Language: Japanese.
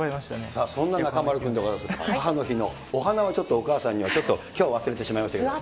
さあ、そんな中丸君でございます、母の日のお花をちょっとお母さんにちょっと、きょうは忘れてしましたけれども。